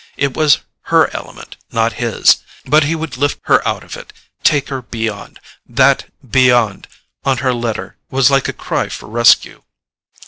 It was her element, not his. But he would lift her out of it, take her beyond! That BEYOND! on her letter was like a cry for rescue.